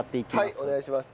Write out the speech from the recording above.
はいお願いします。